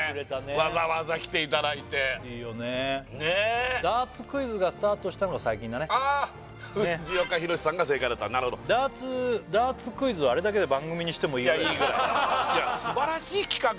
わざわざ来ていただいていいよねねっダーツクイズがスタートしたのが最近だねあっ藤岡弘、さんが正解だったなるほどダーツクイズはあれだけで番組にしてもいいぐらいいやいいぐらいすばらしい企画だね